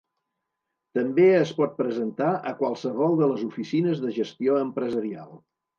També es pot presentar a qualsevol de les oficines de gestió empresarial.